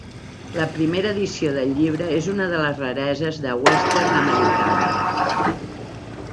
La primera edició del llibre és una de les rareses de Western Americana.